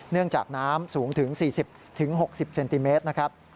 เนื่องจากน้ำสูงถึง๔๐๖๐เซนติเมตรนะครับ